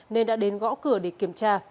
nên đã đến gõ cửa để kiểm tra